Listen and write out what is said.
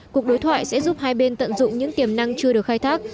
cuộc đối thoại sẽ giúp hai bên tận dụng những tiềm năng chưa được khai thác